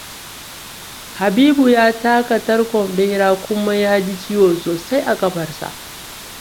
Habibu ya taka tarkon bear kuma ya ji ciwo sosai a kafarsa.